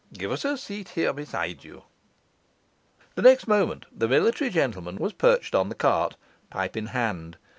Give us a seat here beside you.' The next moment the military gentleman was perched on the cart, pipe in hand.